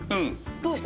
どうした？